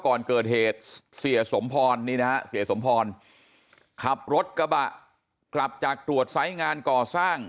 ก่อนเกิดเหตุเสียสมพรนี่นะฮะเสียสมพรขับรถกระบะกลับจากตรวจไซส์งานก่อสร้าง